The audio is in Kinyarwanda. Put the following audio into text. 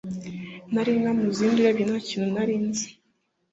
Nali inka mu zindi urebye nakinu narinzi